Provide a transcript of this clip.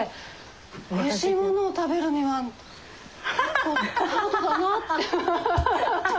おいしいものを食べるには結構ハードだなあって。